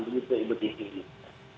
begitu ibu titi ini